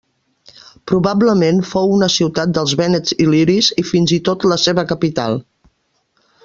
Probablement fou una ciutat dels vènets il·liris i fins i tot la seva capital.